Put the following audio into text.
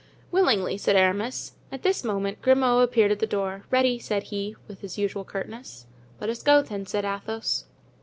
"Willingly," said Aramis. At this moment Grimaud appeared at the door. "Ready," said he, with his usual curtness. "Let us go, then," said Athos.